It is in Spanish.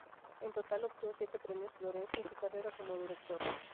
En total, obtuvo siete premios Florencio en su carrera como director.